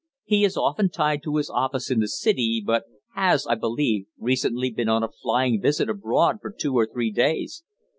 He is often tied to his office in the City, but has, I believe, recently been on a flying visit abroad for two or three days."